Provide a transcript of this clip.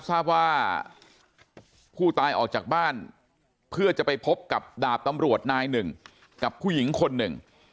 ทราบว่าผู้ตายออกจากบ้านเพื่อจะไปพบกับดาบตำรวจนายหนึ่งกับผู้หญิงคนหนึ่ง